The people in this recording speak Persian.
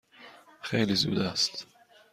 خیلی زود است.